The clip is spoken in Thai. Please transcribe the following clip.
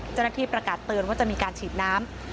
เจ้าหน้าที่ประกาศเตือนว่าจะมีการฉีดน้ำ